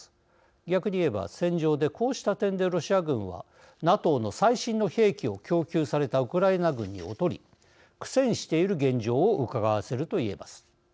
逆に言えば、戦場でこうした点でロシア軍は、ＮＡＴＯの最新の兵器を供給されたウクライナ軍に劣り苦戦している現状をうかがわせるといえます。